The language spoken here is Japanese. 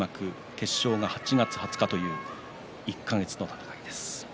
決勝が８月２０日という１か月の戦いです。